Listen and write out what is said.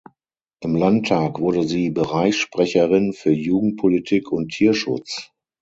Im Landtag wurde sie Bereichssprecherin für Jugendpolitik und Tierschutz.